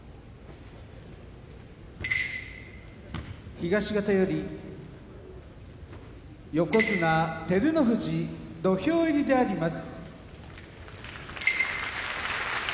東方より横綱照ノ富士土俵入りであります。